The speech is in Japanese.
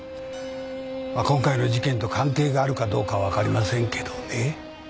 まあ今回の事件と関係があるかどうかは分かりませんけどね。